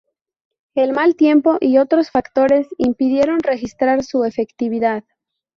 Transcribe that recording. El mal tiempo y otros factores impidieron registrar su efectividad.